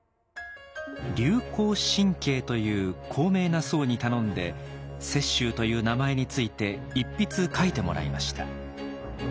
龍崗真圭という高名な僧に頼んで「雪舟」という名前について一筆書いてもらいました。